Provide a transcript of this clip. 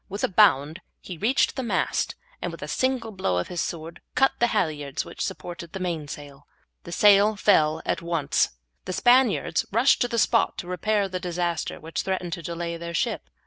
With a bound he reached the mast, and with a single blow with his sword cut the halyards which supported the main sail. The sail fell at once. The Spaniards rushed to the spot to repair the disaster which threatened to delay their ship.